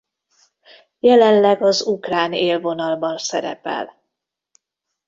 Jelenleg az ukrán élvonalban szerepel.